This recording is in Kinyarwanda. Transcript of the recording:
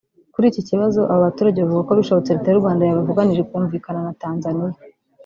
Kuri iki kibazo aba baturage bavuga ko bishobotse Leta y’u Rwanda yabavuganira ikumvikana na Tanzaniya